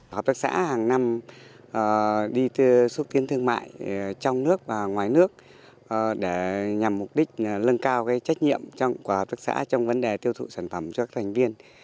hợp tác xã hàng năm đi xuất tiến thương mại trong nước và ngoài nước để nhằm mục đích lân cao trách nhiệm của hợp tác xã trong vấn đề tiêu thụ sản phẩm cho các thành viên